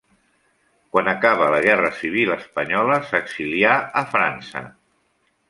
Quan acaba la guerra civil espanyola s'exilià a França.